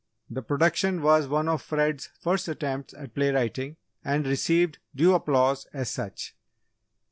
The production was one of Fred's first attempts at play writing, and received due applause as such.